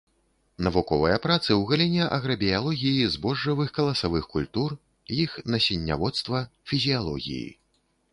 Навуковыя працы ў галіне аграбіялогіі збожжавых каласавых культур, іх насенняводства, фізіялогіі.